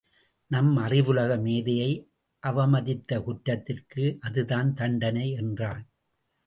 நம் அறிவுலக மேதையை அவமதித்த குற்றத்திற்கு அதுதான் தண்டணை என்றான்.